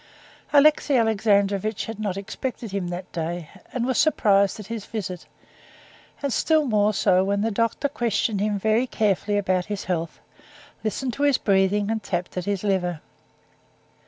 Alexey Alexandrovitch had not expected him that day, and was surprised at his visit, and still more so when the doctor questioned him very carefully about his health, listened to his breathing, and tapped at his liver.